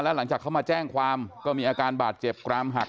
หลังจากเขามาแจ้งความก็มีอาการบาดเจ็บกรามหัก